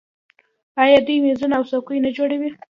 آیا دوی میزونه او څوکۍ نه جوړوي؟